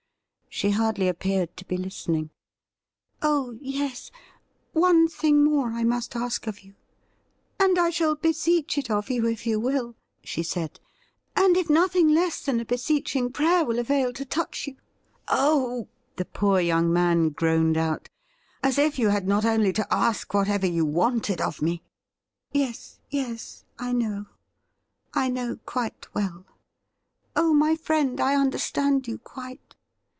She hardly appeared to be listening. ' Oh yes, one thing more I must ask of you ; and I shall beseech it of you, if you will,' she said, ' and if nothing.less than a beseeching prayer will avail to touch you '' Oh !' the poor young man groaned out, ' as if you had not only to ask whatever you wanted of me !'' Yes, yes, I know — I know quite well ; oh, my friend, I understand you quite